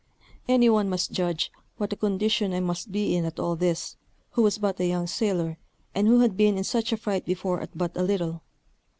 Any one must judge what a condition I must be in at all this, who was but a young sailor, and who had been in such a fright before at but a little.